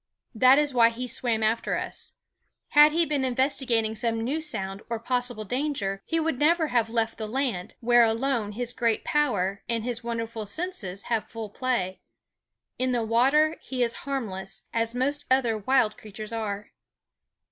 That is why he swam after us. Had he been investigating some new sound or possible danger, he would never have left the land, where alone his great power and his wonderful senses have full play. In the water he is harmless, as most other wild creatures are.